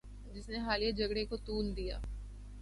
جس نے حالیہ جھگڑے کو طول دیا